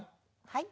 はい。